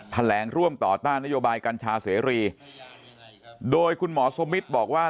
แถลงร่วมต่อต้านนโยบายกัญชาเสรีโดยคุณหมอสมิตรบอกว่า